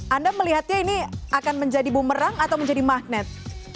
anda melihatnya ini akan menjadi bumerang atau menjadi magnet